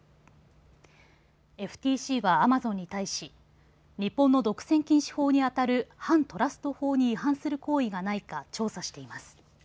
ＦＴＣはアマゾンに対し日本の独占禁止法にあたる反トラスト法に違反する行為がないか調査しています。